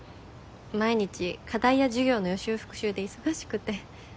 毎日課題や授業の予習復習で忙しくて。